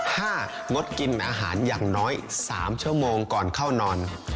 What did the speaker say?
งดกินอาหารอย่างน้อยสามชั่วโมงก่อนเข้านอน